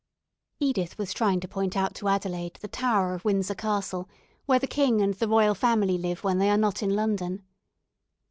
Edith was trying to point out to Adelaide the tower of Windsor Castle, where the king and the Royal Family live when they are not in London.